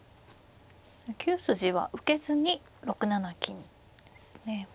９筋は受けずに６七金ですね。